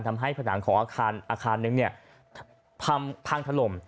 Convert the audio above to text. ทำให้ผนังของอาคารนึงเนี่ยพังถล่ม